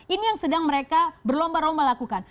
ini yang sedang mereka berlomba lomba lakukan